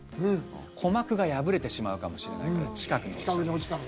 鼓膜が破れてしまうかもしれないから近くに落ちた時に。